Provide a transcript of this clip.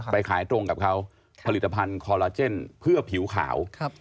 ไปขายตรงกับเขาผลิตภัณฑ์คอลลาเจนเพื่อผิวขาว